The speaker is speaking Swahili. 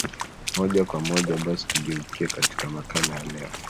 moja kwa moja basi tugeukie katika makala ya leo